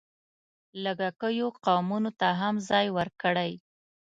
لږکیو قومونو ته هم ځای ورکړی.